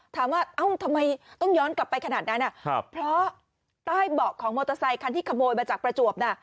เอ้าทำไมต้องย้อนกลับไปขนาดนั้นเพราะใต้เบาะของมอเตอร์ไซคันที่ขโมยมาจากประจวบน่ะ